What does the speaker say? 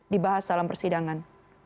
dibahas dalam persidangan